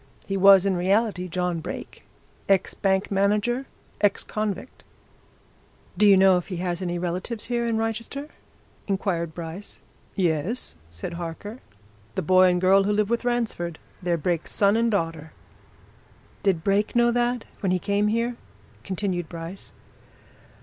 "He was in reality John Brake, ex bank manager, ex convict." "Do you know if he's any relatives here in Wrychester?" inquired Bryce. "Yes," said Harker. "The boy and girl who live with Ransford they're Brake's son and daughter." "Did Brake know that when he came here?" continued Bryce.